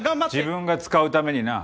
自分が使うためにな。